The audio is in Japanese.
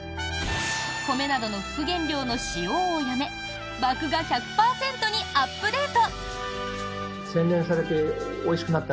米などの副原料の使用をやめ麦芽１００％にアップデート。